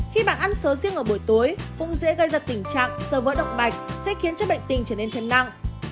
khi bạn ăn sầu riêng vào buổi tối cũng dễ gây ra tình trạng sờ vỡ động mạch sẽ khiến cho bệnh tình trở nên thêm nặng